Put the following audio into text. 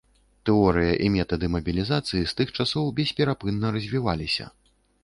Тэорыя і метады мабілізацыі з тых часоў бесперапынна развіваліся.